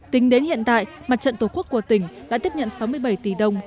tính đến hiện tại mặt trận tổ quốc của tỉnh đã tiếp nhận sáu mươi bảy tỷ đồng